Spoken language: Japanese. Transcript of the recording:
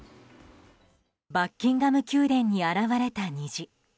バッキンガム宮殿に現れた虹。